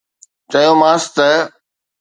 چيومانس ته